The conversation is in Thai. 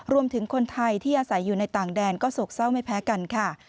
รวมถึงคนไทยที่อาศัยอยู่ในต่างแดนก็โศกเศร้าไม่แพ้กันค่ะ